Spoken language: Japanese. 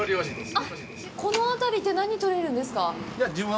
この辺りって何が採れるんですか？